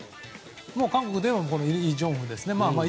韓国ではイ・ジョンフですね。